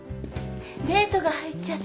デートが入っちゃって。